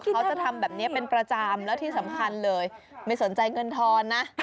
เขาจะทำแบบนี้เป็นประจำแล้วที่สำคัญเลยไม่สนใจเงินทอนนะ